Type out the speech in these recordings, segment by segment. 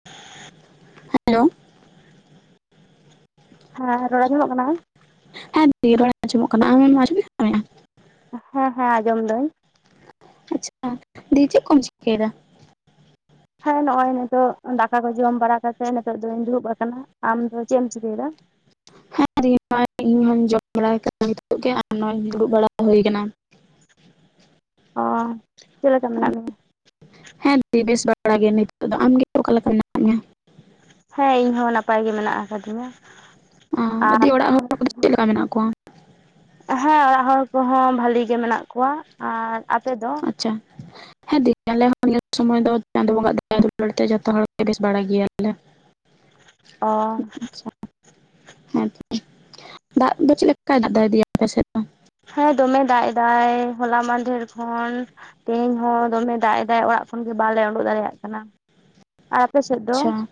[inaudible] Hello ᱦᱮᱸ ᱨᱚᱲ ᱟᱸᱡᱚᱢᱚᱜ ᱠᱟᱱᱟ᱾ ᱦᱮᱸ ᱫᱤ ᱨᱚᱲ ᱟᱸᱡᱚᱢᱚᱜ ᱠᱟᱱᱟ᱾ᱟᱢ ᱮᱢ ᱟᱸᱡᱚᱢ ᱧᱟᱢᱮᱜᱼᱟ ᱦᱮᱸ ᱦᱮᱸ ᱟᱸᱡᱚᱢ ᱫᱟᱹᱧ ᱟᱪᱪᱷᱟ᱾ ᱫᱤ ᱪᱮᱜ ᱠᱚᱢ ᱪᱤᱠᱟᱹᱭ ᱫᱟ? ᱦᱮᱸ ᱱᱚᱜᱼᱚᱭ ᱱᱤᱛᱚᱜ ᱫᱟᱠᱟ ᱠᱚ ᱡᱚᱢ ᱵᱟᱲᱟ ᱠᱟᱛᱮᱜ ᱱᱤᱛᱚᱜ ᱫᱚᱧ ᱫᱩᱲᱩᱵ ᱟᱠᱟᱱᱟ ᱟᱢ ᱫᱚ ᱪᱮᱜ ᱮᱢ ᱪᱤᱠᱟᱹᱭ ᱫᱟ ᱦᱮᱸ ᱨᱤ [unintelligible] ᱱᱚᱜᱼᱚᱭ ᱤᱧ ᱦᱚᱸᱧ ᱡᱚᱢ ᱵᱟᱲᱟᱭ ᱠᱟᱛᱮ ᱱᱤᱛᱚᱜ ᱜᱮ ᱟᱨ ᱱᱚᱧ ᱫᱩᱲᱩᱵ ᱵᱟᱲᱟ ᱦᱳᱭ ᱠᱟᱱᱟ [inaudible] ᱚ ᱪᱮᱫ ᱞᱮᱠᱟ ᱢᱮᱱᱟᱜ ᱢᱮᱭᱟ? ᱦᱮᱸ ᱫᱤ ᱵᱮᱥ ᱵᱟᱲᱟ ᱜᱮ, ᱱᱤᱛᱚᱜ ᱫᱚ ᱟᱢᱜᱮ ᱚᱠᱟ ᱞᱮᱠᱟ ᱢᱮᱱᱟᱜ ᱢᱮᱭᱟ? ᱦᱮᱸ ᱤᱧ ᱦᱚᱸ ᱱᱟᱯᱟᱭ ᱜᱮ ᱢᱮᱱᱟᱜ ᱟᱠᱟᱫᱤᱧᱟ ᱫᱤ ᱟᱨ ᱚᱲᱟᱜ ᱦᱚᱲ ᱠᱚᱫᱚ ᱪᱮᱫ [unintelligible] ᱞᱮᱠᱟ ᱢᱮᱱᱟᱜ ᱠᱚᱣᱟ ᱦᱮᱸ ᱚᱲᱟᱜ ᱦᱚᱲ ᱠᱚᱦᱚᱸ ᱵᱷᱟᱞᱤ ᱜᱮ ᱢᱮᱱᱟᱜ ᱠᱚᱣᱟ᱾ ᱟᱨ ᱟᱯᱮ ᱫᱚ? ᱪᱚ ᱦᱮᱸ ᱫᱤ ᱟᱞᱮ ᱦᱚᱸ ᱱᱤᱭᱟᱹ ᱥᱚᱢᱚᱭ ᱫᱚ ᱪᱟᱸᱫᱚ ᱵᱚᱸᱜᱟ ᱟᱜ ᱫᱟᱭᱟ ᱫᱩᱞᱟᱹᱲ ᱛᱮ ᱡᱚᱛᱚ ᱦᱚᱲ ᱜᱮ ᱵᱮᱥ ᱵᱟᱲᱟ ᱜᱮᱭᱟᱞᱮ [inaudible] ᱚ [inaudible] ᱦᱮᱸ ᱛᱚᱵᱮ ᱫᱟᱜ ᱫᱚ ᱪᱮᱜ ᱞᱮᱠᱟᱭ ᱫᱟᱜ ᱫᱤ ᱟᱯᱮ ᱥᱮᱫ ᱫᱚ ᱦᱮᱸ ᱫᱚᱢᱮ ᱫᱟᱜ ᱮᱫᱟᱭ ᱦᱚᱞᱟ ᱢᱟᱫᱷᱮᱨ ᱠᱷᱚᱱ ᱛᱮᱦᱮᱧ ᱦᱚᱸ ᱫᱚᱢᱮ ᱫᱟᱜ ᱮᱫᱟᱭ ᱚᱲᱟᱜ ᱠᱷᱚᱱ ᱜᱮ ᱵᱟᱞᱮ ᱳᱰᱳᱠ ᱫᱟᱲᱮᱭᱟᱜ ᱠᱟᱱᱟ ᱟᱨ ᱟᱞᱮ ᱥᱮᱫ ᱫᱚ ᱟᱪᱪᱷᱟ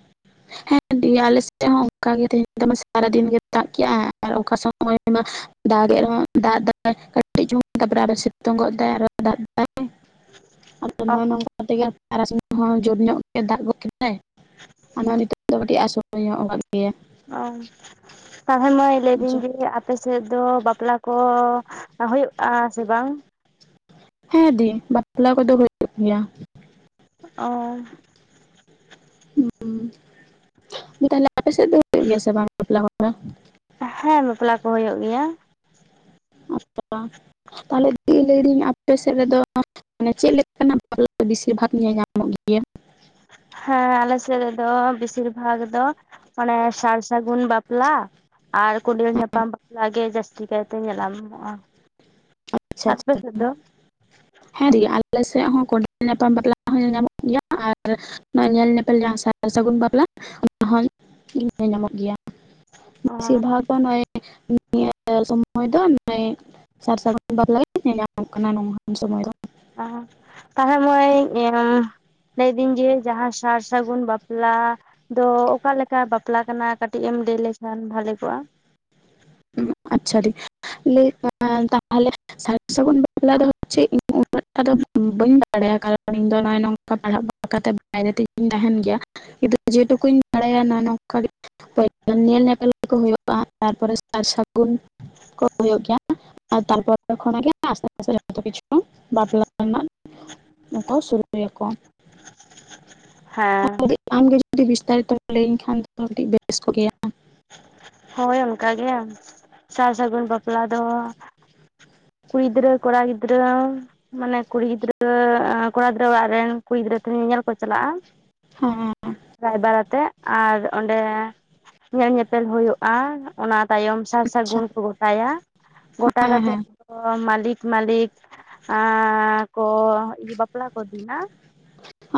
ᱦᱮᱸ ᱫᱤ ᱟᱞᱮ ᱥᱮᱫ ᱦᱚᱸ ᱚᱱᱠᱟ ᱜᱮ ᱛᱮᱦᱤᱧ ᱫᱚᱢᱮ ᱥᱟᱨᱟ ᱫᱤᱱ ᱜᱮ ᱫᱟᱜ ᱠᱤᱜᱼᱟᱭ ᱟᱨ ᱚᱠᱟ ᱥᱚᱠ ᱱᱚᱜ ᱚᱭ ᱢᱟ ᱫᱟᱜ ᱜᱮᱡ ᱨᱮᱦᱚᱸ ᱫᱟᱜ ᱫᱟᱜ ᱟᱭ ᱠᱟᱹᱴᱤᱡ ᱪᱩᱝ ᱜᱟᱵᱨᱟ ᱟᱫᱚ ᱥᱤᱛᱳᱝ ᱜᱚᱫ ᱫᱟᱭ ᱟᱨᱦᱚ ᱫᱟᱜ ᱫᱟᱭ ᱚ ᱱᱚᱜᱚᱭ ᱱᱚᱝᱠᱟ ᱠᱟᱛᱮᱜᱮ ᱛᱟᱨᱟᱥᱤᱧ ᱦᱚᱸ ᱡᱚᱨ ᱧᱚᱜ ᱜᱮ ᱫᱟᱜ ᱜᱚᱫ ᱠᱮᱫᱟᱭ ᱦᱮᱸ ᱚᱱᱟ ᱱᱤᱛᱚᱜ ᱫᱚ ᱟᱥᱚᱲ ᱧᱚᱜ ᱟᱠᱟᱫ ᱜᱮᱭᱟ ᱚ ᱛᱟᱦᱚᱞᱮ ᱢᱟᱹᱭ ᱞᱟᱹᱭᱫᱤᱧ ᱟᱪᱪᱷᱟ ᱡᱮ ᱟᱯᱮ ᱟᱯᱮ ᱥᱮᱫ ᱫᱚ ᱵᱟᱯᱞᱟ ᱠᱚ ᱦᱩᱭᱩᱜ ᱟ ᱥᱮ ᱵᱟᱝ ᱦᱮᱸ ᱫᱤ ᱵᱟᱯᱞᱟ ᱠᱚᱫᱚ ᱦᱩᱭᱩᱜ ᱜᱮᱭᱟ ᱚ ᱦᱩᱸ ᱫᱤ ᱛᱟᱦᱚᱞᱮ ᱟᱯᱮ ᱥᱮᱫ ᱫᱚ ᱦᱩᱭᱩᱜ ᱜᱮᱭᱟ ᱥᱮ ᱵᱟᱝ ᱵᱟᱯᱞᱟ ᱦᱮᱸ ᱵᱟᱯᱞᱟ ᱠᱚ ᱦᱩᱭᱩᱜ ᱜᱮᱭᱟ ᱟᱪᱪᱷᱟ ᱛᱟᱦᱚᱞᱮ ᱫᱤ ᱞᱟᱹᱭᱫᱟᱹᱧ ᱟᱯᱮ ᱥᱮᱫ ᱨᱮᱫᱚ ᱢᱟᱱᱮ ᱪᱮᱫ ᱞᱮᱠᱟᱱᱟᱜ ᱵᱟᱯᱞᱟ ᱵᱮᱥᱤᱨ ᱵᱷᱟᱜᱽ ᱧᱮᱞ ᱧᱟᱢᱚᱜ ᱜᱮᱭᱟ ᱦᱮᱸ ᱟᱞᱮ ᱥᱮᱫ ᱨᱮᱫᱚ ᱵᱮᱥᱤᱨ ᱵᱷᱟᱜᱽ ᱫᱚ ᱚᱱᱮ ᱥᱟᱨ ᱥᱟᱹᱜᱩᱱ ᱵᱟᱯᱞᱟ ᱟᱨ ᱠᱩᱸᱰᱮᱞ ᱧᱟᱯᱟᱢ ᱵᱟᱯᱞᱟ ᱜᱮ ᱡᱟᱹᱥ ᱡᱟᱹᱥᱛᱤ ᱠᱟᱭᱛᱮ ᱧᱮᱞᱟᱢᱚᱜᱼᱟ ᱟᱪᱪᱷᱟ ᱟᱯᱮ ᱟᱪᱪᱷᱟ ᱥᱮᱫ ᱫᱚ? ᱦᱮᱸ ᱫᱤ ᱟᱞᱮ ᱥᱮᱫ ᱦᱚᱸ ᱠᱚᱸᱰᱮᱞ ᱧᱟᱯᱟᱢ ᱵᱟᱯᱞᱟ ᱦᱚᱸ ᱧᱮᱞ ᱧᱟᱢᱚᱜ ᱜᱮᱭᱟ ᱟᱨ ᱧᱮᱞ ᱧᱮᱯᱮᱞ ᱡᱟᱦᱟᱸ ᱥᱟᱨ ᱥᱟᱹᱜᱩᱱ ᱵᱟᱯᱞᱟ ᱚᱱᱟ ᱦᱚᱸ ᱧᱟᱢᱚᱜ ᱜᱮᱭᱟ ᱚ ᱵᱮᱥᱤᱨ ᱵᱷᱟᱜᱽ ᱫᱚ ᱱᱚᱜᱚᱭ ᱱᱤᱭᱟᱹ ᱥᱚᱢᱚᱭ ᱫᱚ [unintelligible] ᱥᱟᱨ ᱥᱟᱹᱜᱩᱱ ᱵᱟᱯᱞᱟ ᱜᱮ ᱧᱮᱞ ᱧᱟᱢᱚᱜ ᱠᱟᱱᱟ ᱱᱚᱝᱠᱟᱱ ᱥᱚᱢᱚᱭ ᱫᱚ ᱟ ᱛᱟᱦᱚᱞᱮ ᱤᱭᱟᱹ ᱞᱟᱹᱭᱫᱤᱧ ᱡᱮ ᱡᱟᱦᱟᱸ ᱥᱟᱨ ᱥᱟᱹᱜᱩᱱ ᱵᱟᱯᱞᱟ ᱫᱚ ᱚᱠᱟᱞᱮᱠᱟ ᱵᱟᱯᱞᱟ ᱠᱟᱱᱟ ᱠᱟᱹᱴᱤᱡ ᱮᱢ ᱞᱟᱹᱭ ᱞᱮᱠᱷᱟᱱ ᱵᱷᱟᱞᱮ ᱠᱚᱜᱼᱟ ᱟᱪᱪᱷᱟ ᱫᱤ ᱞᱟᱭ ᱛᱟᱦᱚᱞᱮ ᱥᱟᱨ ᱥᱟᱹᱜᱩᱱ ᱵᱟᱯᱞᱟ ᱫᱚ ᱦᱚᱪᱪᱮ ᱤᱧ ᱩᱱᱟᱹᱜᱴᱟᱜ ᱫᱚ ᱵᱟᱹᱧ ᱵᱟᱲᱟᱭᱟ ᱠᱟᱨᱚᱱ ᱤᱧ ᱫᱚ ᱱᱚᱜᱼᱚᱭ ᱱᱚᱝᱠᱟ [unintelligible] ᱛᱮᱧ ᱛᱟᱦᱮᱱ ᱜᱮᱭᱟ ᱠᱤᱱᱛᱩ ᱡᱮᱴᱩᱠᱩᱧ ᱵᱟᱲᱟᱭᱟ ᱱᱚᱜᱚᱭ ᱱᱚᱝᱠᱟ ᱜᱮ ᱯᱩᱭᱞᱩ ᱧᱮᱞ ᱧᱮᱯᱮᱞ ᱠᱚ ᱦᱩᱭᱩᱜᱼᱟ ᱛᱟᱨᱯᱚᱨᱮ ᱥᱟᱨ ᱥᱟᱹᱜᱩᱱ ᱠᱚ ᱦᱩᱭᱩᱜ ᱜᱮᱭᱟ ᱟᱨ ᱛᱟᱨᱯᱚᱨᱮ ᱠᱷᱚᱱᱟᱜ ᱜᱮ ᱟᱥᱮ ᱯᱟᱪᱷᱮ ᱡᱚᱛᱚ ᱠᱤᱪᱷᱩ ᱵᱟᱯᱞᱟ ᱮᱢᱟᱱ ᱱᱚᱠᱟ ᱥᱩᱨᱩᱜ ᱜᱮᱭᱟ ᱠᱚ ᱦᱮᱸ ᱟᱢᱜᱮ ᱡᱩᱫᱤ ᱵᱤᱥᱛᱟᱨᱤᱛ ᱞᱟᱹᱭ ᱤᱧ ᱠᱷᱟᱱ ᱫᱚ ᱠᱟᱹᱴ ᱵᱮᱥ ᱠᱚᱜ ᱜᱮᱭᱟ ᱦᱳᱭ ᱚᱱᱠᱟ ᱜᱮ ᱥᱟᱨ ᱥᱟᱹᱜᱩᱱ ᱵᱟᱯᱞᱟ ᱫᱚ ᱠᱩᱲᱤ ᱜᱤᱫᱽᱨᱟᱹ ᱠᱚᱲᱟ ᱜᱤᱫᱽᱨᱟᱹ ᱢᱟᱱᱮ ᱠᱩᱲᱤ ᱜᱤᱫᱽᱨᱟᱹ ᱠᱚᱲᱟ ᱜᱤᱫᱽᱨᱟᱹ ᱚᱲᱟᱜ ᱨᱮᱱ ᱠᱩᱲᱤ ᱜᱤᱫᱽᱨᱟᱹ ᱧᱮᱧᱮᱞ ᱠᱚ ᱪᱟᱞᱟᱜᱼᱟ ᱦᱮᱸ ᱨᱟᱭᱵᱟᱨ ᱟᱛᱮᱜ ᱟᱨ ᱚᱸᱰᱮ ᱧᱮᱞ ᱧᱮᱯᱮᱞ ᱦᱩᱭᱩᱜᱼᱟ ᱚᱱᱟ ᱛᱟᱭᱚᱢ ᱥᱟᱨ ᱟᱪᱪᱷᱟ ᱥᱟᱹᱜᱩᱱ ᱠᱚ ᱜᱚᱴᱟᱭᱟ ᱜᱚᱴᱟ ᱦᱮᱸ ᱠᱟᱛᱮᱫ ᱦᱮᱸ ᱢᱟᱹᱞᱤᱠ ᱢᱟᱹᱞᱤᱠ ᱟᱸ ᱠᱚ ᱵᱟᱯᱞᱟ ᱠᱚ ᱠᱟ. ᱠᱤᱱᱟ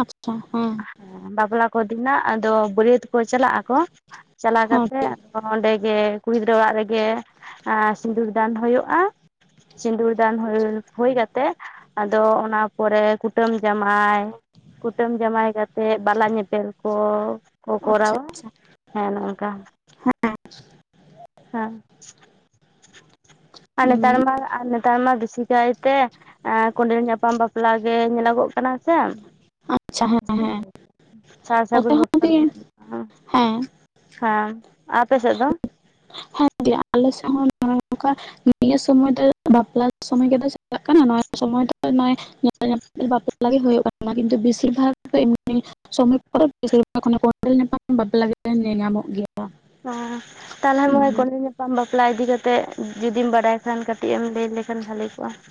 ᱟᱪᱪᱷᱟ ᱦᱮᱸ ᱾ ᱦᱮᱸ ᱵᱟᱯᱞᱟ ᱠᱚ ᱫᱤᱱᱟᱜ ᱟᱫᱚ ᱵᱟᱹᱨᱭᱟᱹᱛ ᱠᱚ ᱪᱟᱞᱟᱜ ᱟᱠᱚ ᱪᱟᱞᱟᱣ ᱦᱮᱸ ᱠᱟᱛᱮᱜ ᱴᱷᱤᱠ ᱚᱸᱰᱮᱜᱮ ᱠᱩᱲᱤ ᱜᱤᱫᱽᱨᱟᱹ ᱚᱲᱟᱜ ᱨᱮᱜᱮ ᱥᱤᱸᱫᱩᱨ ᱫᱟᱱ ᱦᱩᱭᱩᱜᱼᱟ ᱥᱤᱸᱫᱩᱨ [unintelligible] ᱦᱩᱭ ᱠᱟᱛᱮ ᱟᱫᱚ ᱚᱱᱟ ᱯᱚᱨᱮ ᱠᱩᱴᱟᱹᱢ ᱡᱟᱢᱟᱭ ᱠᱩᱴᱟᱹᱢ ᱡᱟᱢᱟᱭ ᱠᱟᱛᱮᱫ ᱵᱟᱞᱟ ᱧᱮᱯᱮᱞ ᱠᱚ ᱠᱚ ᱟᱪᱪᱷᱟ ᱠᱚᱨᱟᱣᱟ ᱟᱪᱪᱷᱟ ᱦᱮᱸ ᱱᱚᱝᱠᱟ ᱦᱮᱸ ᱟᱨ ᱱᱮᱛᱟᱨ ᱩᱸ ᱢᱟ ᱟᱨ ᱱᱮᱛᱟᱨ ᱵᱤᱥᱤᱠᱟᱭ ᱛᱮ ᱠᱚᱸᱰᱮᱞ ᱧᱟᱯᱟᱢ ᱵᱟᱯᱞᱟ ᱜᱮ ᱧᱮᱞᱚᱜᱚᱜ ᱠᱟᱱᱟ ᱥᱮ ᱟᱪᱪᱷᱟ ᱦᱮᱸ ᱦᱮᱸ ᱥᱟᱨ ᱱᱚᱛᱮ ᱥᱟᱜᱩᱱ ᱦᱚᱸ ᱵᱟᱯᱞᱟ ᱫᱤ ᱫᱚ ᱦᱮᱸ ᱦᱮᱸ ᱦᱮᱸ ᱟᱯᱮ ᱥᱮᱫ ᱫᱚ ᱦᱮᱸ ᱫᱤ ᱟᱞᱮ ᱥᱮᱫ ᱦᱚᱸ ᱚᱱ ᱱᱚᱠᱟ ᱱᱤᱭᱟᱹ ᱥᱚᱢᱚᱭ ᱫᱚ ᱵᱟᱯᱞᱟ ᱥᱳᱢᱳᱭ ᱜᱮ ᱛᱚ ᱪᱟᱞᱟᱜ ᱠᱟᱱᱟ ᱱᱚᱣᱟ ᱥᱚᱢᱚᱭ ᱫᱚ ᱱᱚᱜᱚᱭ ᱧᱮᱞ ᱧᱟᱢ ᱵᱟᱯᱞᱟ ᱜᱮ ᱦᱩᱭᱩᱜ ᱠᱟᱱᱟ ᱠᱤᱱᱛᱩ ᱵᱮᱥᱤ ᱵᱷᱟᱜᱽ ᱮᱢᱱᱤ ᱥᱚᱢ ᱠᱚᱨᱮ ᱵᱤᱨᱰᱮᱞ ᱧᱟᱯᱟᱢ ᱵᱟᱯᱞᱟ ᱜᱮ ᱧᱮᱞ ᱧᱟᱢᱚᱜ ᱜᱮᱭᱟ ᱾ ᱚ ᱛᱟᱦᱚᱞᱮ ᱠᱚᱱ ᱥᱟᱠᱟᱢ ᱵᱟᱯᱞᱟ ᱤᱫᱤ ᱠᱟᱛᱮᱫ ᱡᱩᱫᱤᱢ ᱵᱟᱰᱟᱭ ᱠᱷᱟᱱ ᱠᱟᱹᱴᱤᱡ ᱮᱢ ᱞᱟᱹᱭ ᱞᱮᱠᱷᱟᱱ ᱵᱷᱟᱜᱮ ᱠᱚᱜᱼᱟ ᱾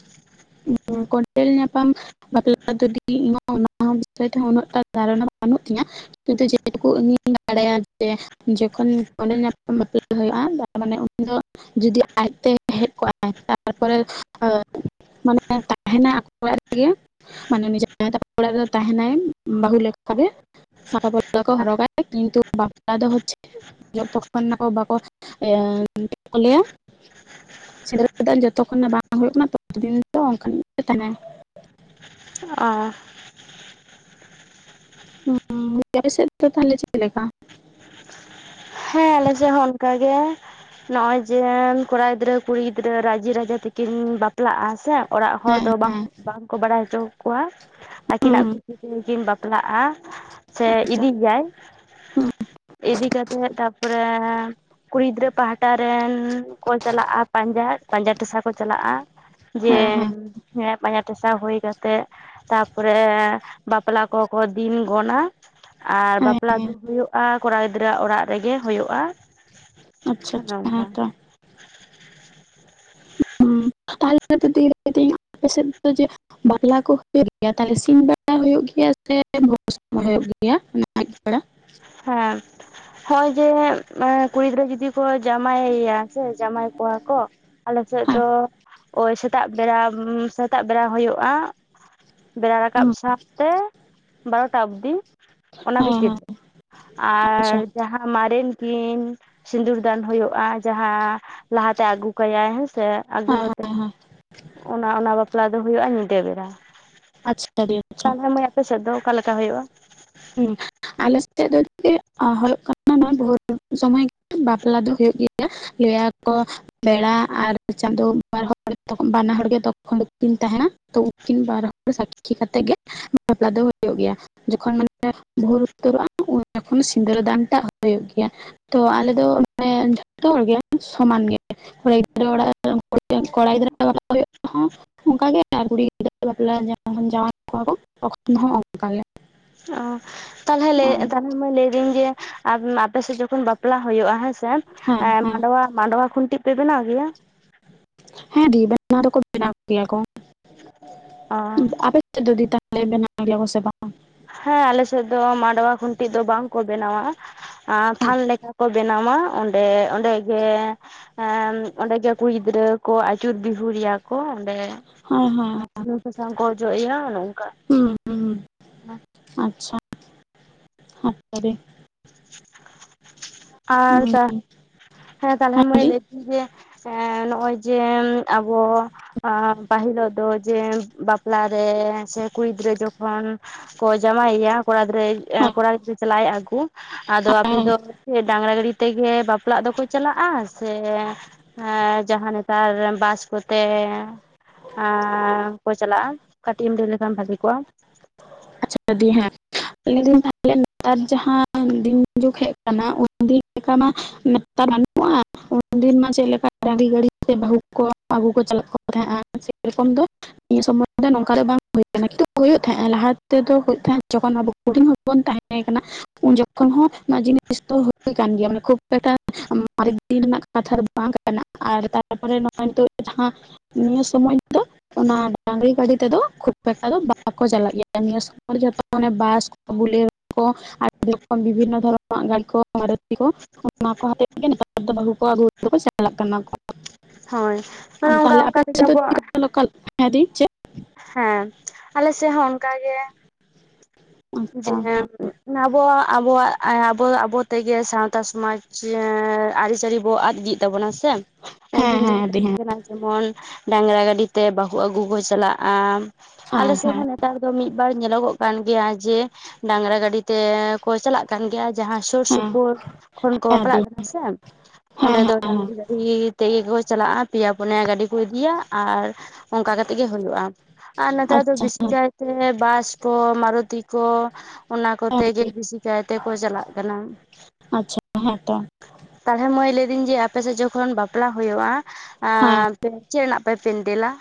ᱠᱚᱰᱮᱞ ᱧᱟᱯᱟᱢ ᱵᱟᱯᱞᱟ ᱨᱮ ᱫᱰᱤ ᱚᱱᱟ ᱵᱤᱥᱚᱭ ᱛᱮ ᱩᱱᱟᱹᱜᱴᱟ ᱫᱷᱟᱨᱚᱱᱟ ᱵᱟᱹᱱᱩᱜ ᱛᱤᱧᱟᱹ ᱾ ᱛᱩ ᱡᱮᱴᱠᱩᱧ ᱤᱧ ᱵᱟᱰᱟᱭᱟ ᱡᱮ ᱡᱚᱠᱷᱚᱱ ᱠᱚᱰᱮᱞ ᱧᱟᱯᱟᱢ ᱵᱟᱯᱞᱟ ᱦᱩᱭᱩᱜᱼᱟ ᱟᱨᱢᱟᱱᱮ ᱩᱱ ᱫᱚ ᱡᱩᱫᱤ ᱟᱡᱛᱮ ᱦᱮᱡ ᱠᱚᱜᱼᱟᱭ ᱛᱟᱨᱯᱚᱨᱮ ᱢᱟᱱᱮ ᱛᱟᱦᱮᱱᱟᱭ ᱟᱠᱚ ᱚᱲᱟᱜ ᱨᱮᱜᱮ ᱢᱟᱱᱮ ᱩᱱᱤ ᱦᱟᱣᱟᱭ ᱛᱟᱠᱚ ᱚᱲᱟᱜ ᱨᱮᱜᱮ ᱛᱟᱦᱮᱱᱟᱭ ᱾ ᱵᱟᱹᱦᱩ ᱞᱮᱠᱟᱜᱮ ᱥᱟᱠᱷᱟ ᱯᱚᱞᱟ ᱠᱚ ᱦᱚᱨᱚᱜᱟᱭ ᱠᱤᱱᱛᱩ ᱵᱟᱯᱞᱟ ᱫᱚ ᱦᱚᱪ ᱪᱷᱮ ᱡᱚᱛ ᱡᱛᱚᱠᱷᱚᱱᱟᱠᱚ ᱵᱟᱠᱚ ᱠᱚ ᱞᱟᱹᱭᱟ ᱥᱮᱸᱫᱽᱨᱟᱹᱫᱟᱱ ᱡᱚᱛᱚ ᱠᱷᱚᱱᱟᱜ ᱵᱟᱝ ᱦᱩᱭᱩᱜ ᱠᱟᱱᱟ ᱛᱚ ᱫᱤᱱ ᱫᱚ ᱚᱱᱠᱟᱱᱟᱜ ᱜᱮ ᱛᱟᱦᱮᱱᱟ ᱾ ᱚ ᱾ ᱦ ᱟᱯᱮᱥᱮᱫ ᱫᱚ ᱛᱟᱦᱮᱞᱮ ᱪᱮᱫ ᱞᱮᱠᱟ? ᱦᱮᱸ ᱟᱞᱮᱥᱮ ᱦᱚᱸ ᱚᱱᱠᱟ ᱜᱮ ᱾ ᱱᱚᱜ ᱚᱭ ᱡᱮ ᱠᱚᱲᱟ ᱜᱤᱫᱽᱨᱟᱹ ᱠᱩᱲᱤ ᱜᱤᱫᱽᱨᱟᱹ ᱨᱟᱡᱤ ᱨᱟᱡᱟ ᱛᱮᱠᱤᱱ ᱵᱟᱯᱞᱟᱜᱼᱟ ᱥᱮ ᱚᱲᱟᱜ ᱦᱚᱲ ᱦᱮᱸ ᱫᱚ ᱵᱟᱝ ᱵᱟᱝᱠᱚ ᱵᱟᱰᱟᱭ ᱦᱚᱪᱚ ᱠᱚᱣᱟ ᱟᱹᱠᱤᱱᱟᱜ ᱦᱩᱸ ᱠᱩᱥᱤ ᱛᱮᱠᱤᱱ ᱵᱟᱯᱞᱟᱜᱼᱟ ᱥᱮ ᱟᱪᱪᱷᱟ ᱤᱫᱤ ᱜᱮᱭᱟᱭ ᱾ ᱤᱫᱤ ᱠᱟᱛᱮᱜ ᱛᱟᱯᱚᱨᱮ ᱠᱩᱲᱤ ᱜᱤᱫᱽᱨᱟᱹ ᱯᱟᱦᱴᱟ ᱨᱮᱱ ᱠᱚ ᱪᱟᱞᱟᱜᱼᱟ ᱯᱟᱸᱡᱟ ᱯᱟᱸᱡᱟ ᱴᱮᱥᱟ ᱠᱚ ᱪᱟᱞᱟᱜᱼᱟ ᱾ ᱡᱮ ᱦᱮᱸ ᱦᱮᱸ ᱦᱮᱲ ᱯᱟᱸᱡᱟ ᱴᱮᱥᱟ ᱦᱩᱭ ᱠᱟᱛᱮᱫ ᱛᱟᱨᱯᱚᱨᱮ ᱵᱟᱯᱞᱟ ᱠᱚ ᱠᱚ ᱫᱤᱱ ᱜᱚᱱᱟ ᱾ ᱟᱨ ᱦᱮᱸ ᱵᱟᱯᱞᱟ ᱫᱚ ᱦᱩᱭᱩᱜᱼᱟ ᱠᱚᱲᱟ ᱜᱤᱫᱽᱨᱟᱹᱣᱟᱜ ᱚᱲᱟᱜ ᱨᱮᱜᱮ ᱦᱩᱭᱩᱜᱼᱟ ᱾ ᱟᱪᱪᱷᱟ ᱟᱪᱪᱷᱟ ᱦᱮᱸ ᱛᱚ ᱾ ᱛᱟᱦᱮᱞᱮ ᱡᱮ [unintelligible] ᱵᱟᱯᱞᱟ ᱠᱚ ᱦᱩᱭᱩᱜ ᱜᱮᱭᱟ ᱛᱟᱞᱮ ᱥᱤᱧ ᱵᱮᱲᱟ ᱦᱩᱭᱩᱜ ᱜᱮᱭᱟ ᱥᱮ ᱵᱷᱚᱨ ᱥᱚᱢᱚᱭ ᱦᱩᱭᱩᱜ ᱜᱮᱭᱟ ᱟᱭᱩᱵ ᱵᱮᱲᱟ? ᱦᱮᱸ ᱾ ᱦᱚᱸᱸᱜ ᱚᱚᱭ ᱡᱮ ᱠᱩᱲᱤ ᱜᱤᱫᱽᱨᱟᱹ ᱡᱩᱫᱤ ᱠᱚ ᱡᱟᱶᱟᱭᱮᱭᱟ ᱥᱮ ᱡᱟᱶᱟᱭ ᱠᱚᱣᱟ ᱠᱚ ᱟᱞᱮ ᱥᱮᱫ ᱦᱮᱸ ᱫᱚ ᱳᱭ ᱥᱮᱛᱟᱜ ᱵᱮᱲᱟ ᱥᱮᱛᱟᱜ ᱵᱮᱲᱟ ᱦᱩᱭᱩᱜᱼᱟ ᱾ ᱵᱮᱲᱟ ᱨᱟᱠᱟᱵ ᱥᱟᱶᱛᱮ ᱵᱟᱨᱚᱴᱟ ᱚᱵᱽᱫᱤ ᱚᱱᱟ ᱦᱮᱸ ᱵᱷᱤᱛᱤᱨ ᱨᱮ ᱾ ᱟᱨ ᱟᱪᱪᱷᱟ ᱡᱟᱦᱟᱸ ᱢᱟᱨᱮᱱ ᱠᱤᱱ ᱥᱤᱸᱫᱩᱨ ᱫᱟᱱ ᱦᱩᱭᱩᱜᱼᱟ ᱡᱟᱦᱟᱸ ᱞᱟᱦᱟᱛᱮ ᱟᱹᱜᱩ ᱠᱟᱭ ᱦᱮᱸᱥᱮ ᱟᱹᱜᱩ ᱠᱟᱛᱮᱜ ᱚᱱᱟ ᱚᱱᱟ ᱵᱟᱯᱞᱟ ᱫᱚ ᱦᱩᱭᱩᱜᱼᱟ ᱧᱤᱫᱟᱹ ᱵᱮᱲᱟ ᱾ ᱟᱪᱪᱷᱟ ᱫᱤ ᱟᱪᱪᱷᱟ ᱾ ᱯᱮᱥᱮᱫ ᱫᱚ ᱚᱠᱟ ᱞᱮᱠᱟ ᱦᱩᱭᱩᱜᱼᱟ? ᱦᱮᱸ ᱟᱞᱮ ᱥᱮᱫ ᱫᱚ ᱪᱮᱫ ᱦᱩᱭᱩᱜ ᱠᱟᱱᱟ ᱱᱚᱣᱟ ᱵᱳᱨ ᱥᱩᱚᱢᱚᱭ ᱜᱮ ᱵᱟᱯᱞᱟ ᱫᱚ ᱦᱩᱭᱩᱜ ᱜᱮᱭᱟ᱾ ᱞᱟᱹᱭ ᱟᱠᱚ ᱵᱮᱲᱟ ᱟᱨ ᱪᱟᱸᱫᱚ ᱵᱟᱨ ᱦᱚᱲ ᱵᱟᱱᱟ ᱦᱚᱲ ᱜᱮ ᱛᱚᱠᱷᱚᱱ ᱫᱚ ᱠᱤᱱ ᱛᱟᱦᱮᱸ ᱱᱟ ᱛᱚ ᱩᱱᱠᱤᱱ ᱵᱟᱨ ᱦᱚᱲ ᱥᱟᱹᱠᱷᱤ ᱠᱟᱛᱮ ᱜᱮ ᱵᱟᱯᱞᱟ ᱫᱚ ᱦᱩᱭᱩᱜ ᱜᱮᱭᱟ ᱡᱚᱠᱷᱚᱱ ᱵᱷᱩᱨ ᱩᱛᱟᱹᱨᱚᱜᱼᱟ ᱚᱸᱰᱮᱠᱷᱚᱱ ᱥᱤᱸᱫᱽᱨᱟᱹ ᱫᱟᱱᱴᱟᱜ ᱦᱩᱭᱩᱜ ᱜᱮᱭᱟ ᱾ ᱛᱚ ᱟᱞᱮ ᱫᱚ ᱢᱟᱱᱮ ᱡᱚᱛᱚ ᱦᱚᱲ ᱜᱮ ᱥᱚᱢᱟᱱ ᱜᱮ ᱾ ᱠᱚᱲᱤ ᱜᱤᱫᱽᱨᱟᱹ ᱚᱲᱟᱜ ᱠᱚᱲᱟ ᱜᱤᱫᱽᱨᱟᱹ ᱚᱱᱠᱟᱜᱮ ᱟᱨ ᱠᱩᱲᱤ ᱜᱤᱫᱽᱨᱟᱹ ᱵᱟᱯᱞᱟ [unintelligible] ᱡᱟᱶᱟᱭ ᱠᱚᱣᱟ ᱠᱚ ᱛᱚᱠᱷᱚᱱ ᱦᱚᱸ ᱚᱱᱠᱟᱜᱮ ᱾ ᱚ ᱛᱟᱦᱞᱮ ᱞᱟᱹᱭ ᱛᱟᱞᱦᱮ ᱢᱟᱹᱭ ᱞᱟᱹᱭ ᱫᱤᱧ ᱡᱮ ᱟᱨ ᱟᱯᱮᱥᱮᱫ ᱡᱚᱠᱷᱚᱱ ᱵᱟᱯᱞᱟ ᱦᱩᱭᱩᱜᱼᱟ ᱦᱮᱸᱥᱮ ᱦᱮᱸ ᱦᱮᱸ ᱢᱟᱰᱣᱟ ᱢᱟᱰᱣᱟ ᱠᱷᱩᱱᱴᱤ ᱯᱮ ᱵᱮᱱᱟᱣ ᱜᱮᱭᱟ? ᱦᱮᱸ ᱫᱤ ᱵᱮᱱᱟᱣ ᱫᱚᱠᱚ ᱵᱮᱱᱟᱣ ᱜᱮᱭᱟ ᱠᱚ ᱚ ᱾ ᱡᱩᱫᱤ ᱛᱟᱦᱚᱞᱮ ᱵᱮᱱᱟᱣ ᱜᱮᱭᱟ ᱠᱚᱥᱮ ᱵᱟᱝ? ᱦᱮᱸ ᱟᱞᱮᱥᱮᱫ ᱫᱚ ᱢᱟᱰᱣᱟ ᱠᱷᱩᱱᱴᱤ ᱫᱚ ᱵᱟᱝ ᱠᱚ ᱵᱮᱱᱟᱣᱟ ᱟᱨ ᱛᱷᱟᱱ ᱞᱮᱠᱟ ᱠᱚ ᱵᱮᱱᱟᱢᱟ ᱚᱸᱰᱮ ᱚᱸᱰᱮ ᱜᱮ- ᱦᱮ ᱚᱸᱰᱮ ᱜᱮ ᱠᱩᱲ ᱜᱤᱫᱽᱨᱟᱹ ᱠᱚ ᱟᱪᱩᱨ ᱵᱤᱦᱩᱨᱮᱭᱟ ᱠᱚ ᱚᱸᱰᱮ ᱦᱮᱸ ᱦᱮᱸ ᱟᱨ ᱥᱩᱱᱩᱢ ᱥᱟᱥᱟᱝ ᱠᱚ ᱚᱡᱚᱜᱮᱭᱟ ᱚᱝᱠᱟ ᱦᱩ ᱟᱪᱪᱷᱟ ᱦᱟᱱᱛᱮ ᱨᱮ ᱟᱨ ᱦᱩᱸ ᱫᱟ ᱦᱮ ᱛᱟᱞᱦᱮ ᱦᱮᱸ ᱢᱟᱹᱭ ᱫᱤ ᱞᱟᱹᱭ ᱮᱫ ᱛᱟᱺᱦᱤᱡ ᱡᱮ ᱱᱚᱜ-ᱚᱭ ᱡᱮ ᱟᱵᱚ ᱦᱮ ᱯᱟᱹᱦᱤᱞ ᱦᱚᱲ ᱫᱚ ᱡᱮ ᱵᱟᱯᱞᱟᱨᱮ ᱥᱮ ᱠᱩᱲᱤ ᱜᱤᱫᱽᱨᱟᱹ ᱡᱚᱠᱷᱚᱱ ᱠᱚ ᱡᱟᱣᱟᱭᱮᱭᱟ ᱠᱚᱲᱟ ᱜᱤᱫᱽᱨᱟᱹ ᱮ ᱦᱮᱸ ᱠᱚᱲᱟ ᱜᱤᱫᱽᱨᱟᱹ ᱪᱟᱞᱟᱜ ᱟᱭ ᱟᱹᱜᱩ ᱟᱫᱚ ᱟᱯᱮ ᱦᱮᱸ ᱫᱚ ᱪᱮᱫ ᱰᱟᱝᱨᱟ ᱜᱟᱹᱲᱤ ᱛᱮᱜᱮ ᱵᱟᱯᱞᱟᱜ ᱫᱚᱠᱚ ᱪᱟᱞᱟᱜ-ᱟ ᱥᱮ ᱦᱮ ᱡᱟᱦᱟᱸ ᱱᱮᱛᱟᱨ ᱵᱟᱥ ᱠᱚᱛᱮ ᱦᱮᱸ ᱠᱚ ᱪᱟᱞᱟᱜ-ᱟ ᱠᱟᱹᱴᱤᱡ ᱮᱢ ᱞᱟᱹᱭ ᱞᱮᱠᱷᱟᱱ ᱵᱷᱟᱹᱜᱤ ᱠᱚᱜ-ᱟ ᱟᱪᱪᱷᱟ ᱫᱤ ᱦᱮ ᱞᱟᱹᱭ ᱫᱤᱱ ᱟᱞᱮ ᱱᱮᱛᱟᱨ ᱡᱟᱦᱟᱸ ᱫᱤᱱ ᱡᱩᱜ ᱦᱮᱡ ᱟᱠᱟᱱᱟ ᱩᱱ ᱫᱤᱱ ᱞᱮᱠᱟ ᱢᱟ ᱛᱟᱨ ᱵᱟᱹᱱᱩᱜ-ᱟ ᱩᱱᱫᱤᱱ ᱢᱟ ᱪᱮᱫ ᱞᱮᱠᱟ ᱰᱟᱹᱝᱨᱤ ᱜᱟᱹᱰᱤ ᱛᱮ ᱵᱟᱹᱦᱩ ᱠᱚ ᱟᱹᱜᱩ ᱠᱚ ᱪᱟᱞᱟᱜ ᱠᱚ ᱛᱟᱦᱮᱜ-ᱟ ᱥᱮᱨᱚᱠᱚᱢ ᱫᱚ ᱱᱤᱭᱟᱹ ᱥᱚᱢᱚᱭ ᱫᱚ ᱱᱚᱝᱠᱟ ᱫᱚ ᱵᱟᱝ ᱦᱩᱭ ᱠᱟᱱᱟ, ᱠᱤᱱᱛᱩ ᱦᱩᱭᱩᱜ ᱛᱟᱦᱮᱸᱼᱟ ᱞᱟᱦᱟᱛᱮ᱾ ᱠᱚᱫᱚᱜ ᱦᱳᱭᱳᱜ ᱛᱟᱦᱮ ᱡᱚᱠᱷᱚᱱ ᱟᱵᱚ ᱦᱩᱰᱤᱧ ᱦᱩᱰᱤᱧ ᱵᱚᱱ ᱛᱟᱦᱮ ᱠᱟᱱᱟ ᱩᱱ ᱡᱚᱠᱷᱚᱱ ᱦᱚᱸ ᱱᱚᱣᱟ ᱡᱤᱱᱤᱥ ᱫᱚ ᱦᱩᱭ ᱠᱟᱱ ᱜᱮᱭᱟ, ᱢᱟᱱᱮ ᱠᱷᱩᱵ ᱮᱠᱴᱟ ᱢᱟᱨᱮ ᱛᱤᱱ ᱨᱮᱱᱟᱜ ᱠᱟᱛᱷᱟ ᱫᱚ ᱵᱟᱝ ᱠᱟᱱᱟ ᱟᱨ ᱛᱟᱨᱯᱚᱨᱮ ᱱᱚᱜ-ᱚᱭ ᱱᱤᱛᱚᱜ ᱡᱟᱦᱟᱸ ᱱᱤᱭᱟᱹ ᱥᱚᱢᱚᱭ ᱫᱚ ᱚᱱᱟ ᱰᱟᱝᱨᱤ ᱜᱟᱹᱲᱤ ᱛᱮᱫᱚ ᱠᱷᱩᱵ ᱮᱠᱴᱟ ᱫᱚ ᱵᱟᱠᱚ ᱪᱟᱞᱟᱜ ᱜᱮᱭᱟ ᱱᱤᱭᱟᱹ ᱥᱚᱢᱚᱭ ᱡᱚᱛᱚ ᱚᱱᱮ ᱵᱟᱥ ᱠᱚ ᱵᱩᱞᱮᱴ ᱠᱚ ᱟᱨ ᱨᱚᱠᱚᱢ ᱵᱤᱵᱷᱤᱱᱱᱚ ᱫᱷᱚᱨᱚᱱᱟᱜ ᱜᱟᱹᱰᱤ ᱠᱚ ᱢᱟᱨᱩᱛᱤ ᱠᱚ ᱚᱱᱟ ᱠᱚ ᱦᱚᱛᱮ ᱛᱮᱜᱮ ᱱᱮᱛᱟᱨ ᱫᱚ ᱵᱟᱹᱦᱩ ᱠᱚ ᱟᱹᱜᱩ [inaudible] ᱪᱟᱞᱟᱜ ᱠᱟᱱᱟ ᱠᱚ ᱦᱳᱭ ᱚᱱᱠᱟ ᱛᱟᱦᱚᱞᱮ ᱟᱯᱮ ᱚᱱᱠᱟ ᱛᱮᱜᱮ ᱥᱮᱫ ᱫᱚ ᱪᱮᱫ ᱟᱵᱚᱣᱟᱜ ᱞᱮᱠᱟ ᱞᱳᱠᱟᱠ ᱫᱤ ᱪᱮᱫ ᱦᱮ ᱟᱞᱮ ᱥᱮᱫ ᱦᱚ ᱚᱱᱠᱟ ᱜᱮ ᱡᱮ ᱟᱵᱚᱣᱟᱜ ᱟᱵᱚᱣᱟᱜ ᱟᱵᱚ ᱫᱚ ᱟᱵᱚ ᱛᱮᱜᱮ ᱥᱟᱶᱛᱟ ᱥᱚᱢᱟᱡᱽ ᱟᱹᱨᱤᱪᱟᱹᱞᱤ ᱵᱚ ᱟᱫ ᱤᱫᱤ ᱛᱟᱵᱚᱱᱟ ᱥᱮ ᱦᱮᱸ ᱩᱱᱫᱤᱱ ᱫᱚ ᱦᱮᱸ ᱫᱤ ᱛᱟᱦᱮ ᱦᱮᱸ ᱠᱟᱱᱟ ᱡᱮᱢᱚᱱ ᱰᱟᱝᱨᱟ ᱜᱟᱹᱰᱤ ᱛᱮ ᱵᱟᱹᱦᱩ ᱟᱹᱜᱩ ᱠᱚ ᱪᱟᱞᱟᱜ-ᱟ ᱦᱮᱸ ᱟᱞᱮ ᱥᱮᱫ ᱦᱚ ᱦᱮᱸ ᱱᱮ ᱱᱮᱛᱟᱨ ᱫᱚ ᱢᱤᱫ ᱵᱟᱨ ᱧᱮᱞᱚᱜᱚᱜ ᱠᱟᱱ ᱜᱮᱭᱟ ᱡᱮ ᱰᱟᱝᱨᱟ ᱜᱟᱹᱰᱤ ᱛᱮ ᱠᱚ ᱪᱟᱞᱟᱜ ᱠᱟᱱ ᱜᱮᱭᱟ ᱡᱟᱦᱟᱸ ᱥᱩᱨ ᱦᱮᱸ ᱥᱩᱯᱩᱨ ᱠᱷᱚᱱ ᱠᱚ ᱦᱮᱸ ᱵᱟᱯᱞᱟᱜ ᱫᱤ ᱠᱟᱱᱟ ᱥᱮ ᱚᱸᱰᱮ ᱦᱮᱸ ᱫᱚ ᱰᱟᱹᱝᱨᱤ ᱜᱟᱹᱰᱤ ᱜᱟᱹᱰᱤ ᱛᱮᱜᱮ ᱠᱚ ᱪᱟᱞᱟᱜ-ᱟ ᱟᱨ ᱯᱮᱭᱟ ᱯᱩᱱᱭᱟ ᱜᱟᱹᱰᱤ ᱠᱚ ᱤᱫᱤᱭᱟ ᱟᱨ ᱚᱱᱠᱟ ᱠᱟᱛᱮᱜ ᱜᱮ ᱦᱩᱭᱩᱜ-ᱟ ᱟᱨ ᱱᱮᱛᱟᱨ ᱫᱚ ᱟᱪᱪᱷᱟ ᱵᱮᱥᱤ ᱦᱮᱸ ᱠᱟᱭᱛᱮ ᱵᱟᱥ ᱠᱚ ᱢᱟᱨᱩᱛᱤ ᱠᱚ ᱚᱱᱟ ᱠᱚᱛᱮ ᱜᱮ ᱵᱮᱥᱤ ᱠᱟᱭᱛᱮ ᱠᱚ ᱪᱟᱞᱟᱜ ᱠᱟᱱᱟ ᱟᱪᱪᱷᱟ ᱦᱮᱸ ᱛᱚ ᱛᱟᱞᱦᱮ ᱢᱟᱹᱭ ᱞᱟᱹᱭ ᱫᱤᱧ ᱡᱮ ᱟᱯᱮ ᱥᱮᱫ ᱡᱚᱠᱷᱚᱱ ᱵᱟᱯᱞᱟ ᱦᱩᱭᱩᱜ-ᱟ ᱦᱮᱸ ᱟᱯᱮ ᱪᱮᱫ ᱨᱮᱱᱟᱜ ᱯᱮ ᱯᱮᱱᱰᱮᱞᱟ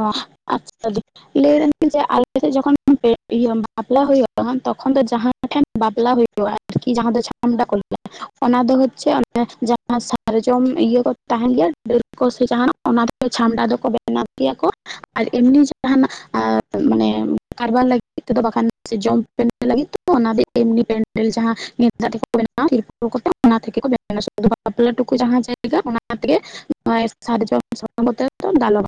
ᱚ ᱟᱪᱪᱷᱟ ᱫᱤ ᱞᱟᱹᱭ ᱫᱟᱞᱤᱧ ᱡᱮ ᱟᱞᱮᱥᱮᱫ ᱡᱚᱠᱷᱚᱱ [unintelligible] ᱵᱟᱯᱞᱟ ᱦᱩᱭᱩᱜ-ᱟ ᱛᱚᱠᱷᱚᱱ ᱫᱚ ᱡᱟᱦᱟᱸ [inaudible] ᱟᱞᱮ ᱴᱷᱮᱱ ᱵᱟᱯᱞᱟ ᱦᱩᱭᱩᱜᱼᱟ ᱟᱨᱠᱤ ᱡᱟᱦᱟᱸ ᱫᱚ ᱪᱷᱟᱢᱰᱟ ᱠᱚ ᱞᱟ. ᱭ-ᱟ ᱚᱱᱟ ᱫᱚ ᱦᱚᱪᱪᱷᱮ [inaudible] ᱦᱮ ᱡᱟᱦᱟᱸ ᱥᱟᱨᱡᱚᱢ ᱤᱭᱟᱹ ᱠᱚ ᱛᱟᱦᱮᱱ ᱜᱮᱭᱟ ᱰᱟᱹᱨ ᱠᱚ ᱥᱮ ᱡᱟᱦᱟᱸ ᱱᱟᱜ ᱚᱱᱟ ᱜᱮ ᱪᱷᱟᱢᱰᱟ ᱫᱚᱠᱚ ᱵᱮᱱᱟᱣ ᱵᱮᱱᱟᱣ ᱜᱮᱭᱟ ᱠᱚ ᱟᱨ ᱮᱢᱱᱤ ᱡᱟᱦᱟᱱᱟᱜ ᱟᱨ ᱢᱟᱱᱮ ᱠᱟᱨᱵᱟᱨ ᱞᱟᱹᱜᱤᱫ ᱛᱮᱫᱚ ᱵᱟᱠᱷᱟᱱ ᱥᱮ ᱡᱚᱢ ᱞᱟᱹᱜᱤᱫ ᱛᱮᱫᱚ ᱚᱱᱟ ᱜᱮ ᱮᱢᱱᱤ ᱯᱮᱱᱰᱮᱞ ᱡᱟᱦᱟᱸ ᱜᱮᱱᱫᱟᱜ ᱛᱮᱠᱚ ᱵᱮᱱᱟᱣ-ᱟ ᱛᱤᱨᱯᱚᱞ ᱠᱚᱛᱮ ᱚᱱᱟ ᱛᱷᱮᱠᱮ ᱠᱚ ᱵᱮᱱᱟ [inaudible] ᱵᱟᱯᱞᱟ ᱴᱩᱠᱩ ᱡᱟᱦᱟᱸ ᱡᱟᱭᱜᱟ ᱚᱱᱟ ᱛᱮᱜᱮ ᱚᱱᱮ ᱥᱟᱨᱡᱚᱢ ᱥᱟᱠᱟᱢ ᱠᱚᱛᱮ ᱫᱟᱞᱟᱵ ᱟᱠᱚ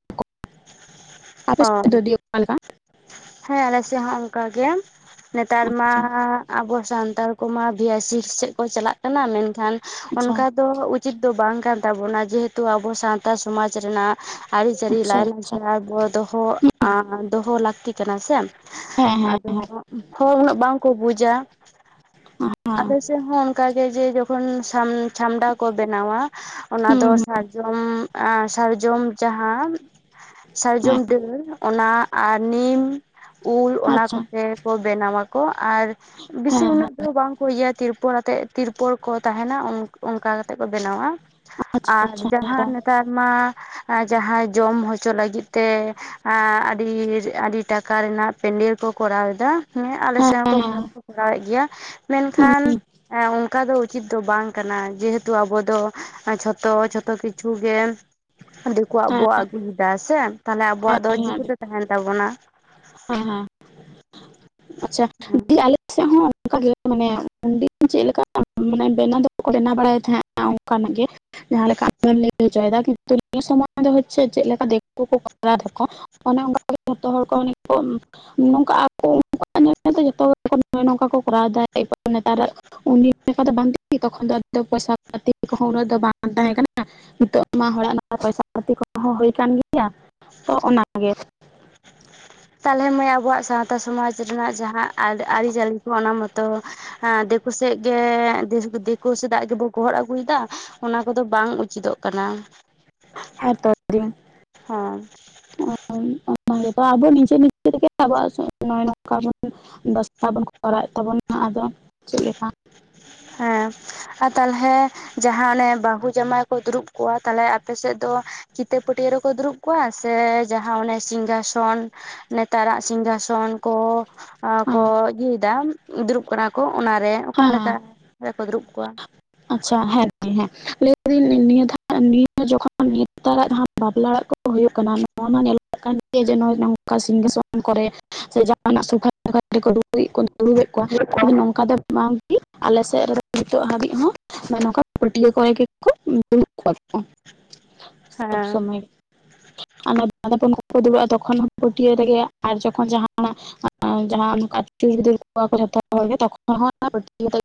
ᱟᱯᱮ ᱥᱮᱫ ᱫᱚ ᱫᱤ ᱚᱠᱟ ᱞᱮᱠᱟ ᱦᱮ ᱟᱞᱮ ᱥᱮᱫ ᱦᱚ ᱚᱱᱠᱟ ᱜᱮ ᱱᱮᱛᱟᱨ ᱢᱟ ᱟᱪᱪᱷᱟ ᱟᱵᱚ ᱥᱟᱱᱛᱟᱲ ᱠᱚᱢᱟ ᱵᱤ ᱟᱭ ᱥᱤ ᱥᱮᱫ ᱠᱚ ᱪᱟᱞᱟᱜ ᱠᱟᱱᱟ ᱢᱮᱱᱠᱷᱟᱱ ᱟᱪᱪᱷᱟ ᱚᱱᱠᱟ ᱛᱚ ᱩᱪᱤᱛ ᱫᱚ ᱵᱟᱝ ᱠᱟᱱ ᱛᱟᱵᱩᱱᱟ ᱡᱮ ᱦᱮᱛᱩ ᱟᱵᱚ ᱥᱟᱶᱛᱟ ᱥᱚᱢᱟᱡᱽ ᱨᱮᱱᱟᱜ ᱟᱨᱤ ᱪᱟᱞᱤ ᱟᱪᱪᱷᱟ ᱟᱪᱪᱷᱟ ᱞᱟᱭᱼᱞᱟᱠᱪᱟᱨ ᱵᱚ ᱫᱚᱦᱚ ᱟ ᱫᱚᱦᱚ ᱞᱟᱠ ᱞᱟᱹᱠᱛᱤ ᱠᱟᱱᱟ ᱥᱮ ᱦᱮᱸ ᱦᱮᱸ ᱟᱫᱚ ᱦᱚᱲ ᱩᱱᱟᱹᱜ ᱵᱟᱝᱠᱚ ᱵᱩᱡᱽᱟ ᱦᱮᱸ ᱟᱞᱮ ᱥᱮᱫ ᱦᱚᱸ ᱚᱱᱠᱟ ᱜᱮ ᱡᱮ ᱡᱚᱠᱷᱚᱱ ᱥᱟᱢ ᱪᱷᱟᱢᱰᱟ ᱠᱚ ᱵᱮᱱᱟᱣᱟ ᱚᱱᱟ ᱫᱚ ᱦᱩᱸ ᱦᱩᱸ ᱥᱟᱨᱡᱚᱢ ᱮᱸ ᱥᱟᱨᱡᱚᱢ ᱡᱟᱦᱟᱸ ᱥᱟᱨᱡᱚᱢ ᱦᱮᱸ ᱰᱟᱹᱨ ᱚᱱᱟ ᱟᱨ ᱱᱤᱢ ᱩᱞ ᱚᱱᱟ ᱟᱪᱪᱷᱟ ᱠᱚᱛᱮ ᱠᱚ ᱵᱮᱱᱟᱣᱟ ᱠᱚ ᱟᱨ ᱵᱮᱥᱤ ᱦᱮᱸ ᱦᱮᱸ ᱩᱱᱟᱹᱜ ᱫᱚ ᱵᱟᱝ ᱠᱚ ᱤᱭᱟᱹᱭᱟ ᱛᱤᱨᱯᱚᱞ ᱟᱛᱮᱫ ᱛᱤᱨᱯᱚᱞ ᱠᱚ ᱛᱟᱦᱮᱱᱟ ᱚᱱᱠᱟ ᱠᱟᱛᱮᱫ ᱠᱚ ᱵᱮᱱᱟᱣᱟ ᱟᱪᱪᱷᱟ ᱟᱨ ᱟᱪᱪᱷᱟ ᱡᱟᱦᱟᱸ ᱦᱮᱸ ᱱᱮᱛᱟᱨ ᱢᱟ ᱡᱟᱦᱟᱸ ᱡᱚᱢ ᱦᱚᱪᱚ ᱞᱟᱹᱜᱤᱫ ᱛᱮ ᱟᱹᱰᱤ ᱟᱰᱤ ᱴᱟᱠᱟ ᱨᱮᱱᱟᱜ ᱯᱮᱱᱰᱮᱞ ᱠᱚ ᱠᱚᱨᱟᱣ ᱮᱫᱟ ᱦᱮᱸ ᱟᱞᱮ ᱥᱮᱫ ᱦᱚᱸᱠᱚ ᱦᱮᱸ ᱠᱚᱨᱟᱣᱮᱫ ᱜᱮᱭᱟ ᱢᱮᱱᱠᱷᱟᱱ ᱦᱮᱸ ᱦᱮᱸ ᱚᱱᱠᱟ ᱫᱚ ᱩᱪᱤᱛ ᱫᱚ ᱵᱟᱝ ᱠᱟᱱᱟ ᱡᱮ ᱦᱮᱛᱩ ᱟᱵᱚ ᱫᱚ ᱡᱷᱚᱛᱚ ᱡᱷᱚᱛᱚ ᱠᱤᱪᱷᱩ ᱜᱮ ᱫᱤᱠᱩᱣᱟᱜ ᱵᱚ ᱟᱹᱜᱩᱭ ᱮᱫᱟ ᱥᱮ ᱛᱟᱦᱞᱮ ᱟᱵᱚᱣᱟᱜ ᱫᱚ ᱦᱮᱸ ᱦᱮᱸ ᱪᱤᱠᱟᱹᱛᱮ ᱛᱟᱦᱮᱱ ᱛᱟᱵᱚᱱᱟ ᱦᱮᱸ ᱟᱪᱷᱟ ᱫᱤ [unintelligible] ᱟᱞᱮ ᱥᱮᱫ‌ᱦᱚᱸ ᱚᱱᱠᱟᱜ ᱜᱮ ᱢᱟᱱᱮ ᱩᱱ ᱫᱤᱱ ᱪᱮᱫ ᱞᱮᱠᱟ ᱢᱟᱱᱮ ᱵᱮᱱᱟᱣ ᱫᱚ ᱵᱮᱱᱟᱣ ᱵᱟᱲᱟᱭ ᱮᱫ ᱛᱟᱦᱮᱸᱫ [unintelligible] ᱚᱱᱠᱟᱱᱟᱜ ᱜᱮ ᱡᱟᱦᱟᱸ ᱞᱮᱠᱟ ᱟᱢ ᱮᱢ ᱞᱟᱹᱭ ᱦᱚᱪᱚᱭ ᱮᱫᱟ ᱠᱤᱱᱛᱩ ᱱᱤᱭᱟᱹ ᱥᱚᱢᱚᱭ ᱫᱚ ᱦᱚᱪᱮ ᱪᱮᱫ ᱞᱮᱠᱟ ᱫᱤᱠᱩ ᱠᱚ ᱠᱚᱨᱟᱣ ᱫᱟ ᱠᱚ [inaudible] ᱚᱱᱮ ᱚᱱᱠᱟ ᱜᱮ ᱡᱚᱛᱚ ᱦᱚᱲ ᱠᱚ [unintelligible] [inaudible] ᱩᱱ ᱫᱤᱱ ᱞᱮᱠᱟ ᱫᱚ ᱵᱟᱝ ᱫᱤ ᱛᱚᱠᱷᱚᱱ ᱫᱚ ᱯᱚᱭᱥᱟ ᱯᱟᱛᱤ ᱠᱚ ᱦᱚᱸ ᱩᱱᱟᱹᱜ ᱫᱚ ᱵᱟᱝ ᱛᱟᱦᱮᱸ ᱠᱟᱱᱟ ᱱᱤᱛᱚᱜ ᱢᱟ ᱦᱚᱲ ᱟᱜ ᱯᱚᱭᱥᱟ ᱯᱟᱛᱤ ᱠᱚ ᱦᱚᱸ ᱦᱩᱭ ᱠᱟᱱ ᱜᱮᱭᱟ ᱛᱚ ᱚᱱᱟ ᱜᱮ ᱛᱟᱞᱦᱮ ᱢᱟᱹᱭ ᱟᱵᱚᱣᱟᱜ ᱥᱟᱶᱛᱟ ᱥᱚᱢᱟᱡᱽ ᱨᱮᱱᱟᱜ ᱡᱟᱦᱟᱸ ᱟᱨ ᱟᱨᱤ ᱪᱟᱞᱤ ᱠᱚ ᱚᱱᱟ ᱢᱟ ᱛᱚ ᱦᱮ ᱫᱤᱠᱩ ᱥᱮᱜ ᱜᱮ ᱫᱤᱠᱩ ᱥᱮᱫᱟᱜ ᱜᱮ ᱵᱚ ᱜᱚᱦᱚᱲ ᱟᱹᱜᱩᱭ ᱫᱟ ᱚᱱᱟ ᱠᱚ ᱫᱚ ᱵᱟᱝ ᱩᱪᱤᱛᱚᱜ ᱠᱟᱱᱟ ᱦᱮ ᱛᱚ ᱫᱤ [inaudible] ᱦᱮᱸ [unintelligible] ᱟᱵᱚ ᱱᱤᱡᱮ ᱱᱤᱡᱮ ᱛᱮ ᱜᱮ ᱟᱵᱚᱣᱟᱜ [unintelligible] ᱱᱚᱝᱠᱟ ᱵᱚᱱ ᱵᱟᱥᱛᱟ ᱵᱚᱱ ᱠᱚᱨᱟᱣ ᱮᱫ ᱛᱟᱵᱚᱱᱟ ᱟᱫᱚ ᱪᱮᱫ ᱞᱮᱠᱟ ᱦᱮᱸ [unintelligible] ᱛᱟᱦᱚᱞᱮ ᱡᱟᱦᱟᱸ ᱚᱱᱮ ᱵᱟᱹᱦᱩ ᱡᱟᱢᱟᱹᱭ ᱠᱚ ᱫᱩᱲᱩᱵ ᱠᱚᱜᱼᱟ ᱛᱟᱦᱚᱞᱮ ᱟᱯᱮ ᱥᱮᱫ ᱫᱚ ᱠᱤᱛᱟᱹ ᱯᱟᱹᱴᱭᱟᱹ ᱨᱮᱠᱚ ᱫᱩᱨᱩᱵ ᱠᱚᱣᱟ ᱥᱮ ᱡᱟᱦᱟᱸ ᱚᱱᱮ ᱥᱤᱝᱜᱟ ᱥᱚᱱ ᱱᱮᱛᱟᱨᱟᱜ ᱥᱤᱝᱜᱟᱥᱚᱱ ᱠᱚ ᱠᱚ ᱦᱮᱸ ᱤᱭᱟᱹᱭ ᱫᱟ ᱫᱩᱲᱩᱵ ᱠᱟᱱᱟ ᱠᱚ ᱚᱱᱟ ᱨᱮ ᱚᱠᱟ ᱞᱮᱠᱟ ᱦᱮᱸ ᱨᱮ ᱠᱚ ᱫᱩᱨᱩᱵ ᱠᱚᱣᱟ ᱟᱪᱪᱷᱟ ᱦᱮᱸ ᱫᱤ ᱦᱮᱸ ᱞᱟᱹᱭ ᱫᱤᱧ ᱱᱤᱭᱟᱹ ᱱᱤᱭᱟᱹ ᱡᱚᱠᱷᱚᱱ [unintelligible] ᱵᱟᱯᱞᱟ ᱚᱲᱟᱜ ᱠᱚ ᱦᱩᱭᱩᱜ ᱠᱟᱱᱟ ᱱᱚᱣᱟ ᱢᱟ ᱧᱮᱞᱚᱜ ᱠᱟᱱ ᱜᱮ ᱡᱮ [unintelligible] ᱱᱚᱝᱠᱟ ᱥᱤᱝᱜᱟᱥᱚᱱ ᱠᱚᱨᱮ [inaudible] ᱥᱮ ᱡᱟᱦᱟᱱᱟᱜ [unintelligible] ᱩᱲᱩᱵ ᱮᱫ ᱠᱚᱣᱟ ᱱᱚᱝᱠᱟ [inaudible] ᱵᱟᱝ [unintelligible] ᱟᱞᱮ ᱥᱮᱫ ᱨᱮᱫᱚ ᱱᱤᱛᱚᱜ ᱦᱟᱹᱵᱤᱡ ᱦᱚᱸ [unintelligible] ᱯᱟᱹᱴᱭᱟᱹ ᱠᱚ ᱨᱮ ᱜᱮ ᱠᱚ [unintelligible] [unintelligible] [unintelligible] ᱥᱚᱵ ᱦᱮᱸ ᱥᱚᱢᱚᱭ [unintelligible] ᱵᱟᱫᱟ ᱯᱚᱱ ᱠᱚᱠᱚ ᱫᱩᱲᱩᱵᱼᱟ ᱛᱚᱠᱷᱚᱱ ᱦᱚᱸ ᱯᱟᱹᱴᱭᱟᱹ ᱨᱮ ᱜᱮ ᱟᱨ ᱡᱚᱠᱷᱚᱱ ᱡᱟᱦᱟᱸ [unintelligible]